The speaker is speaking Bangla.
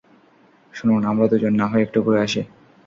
শুনুন, আমরা দুজন না হয় একটু ঘুরে আসি।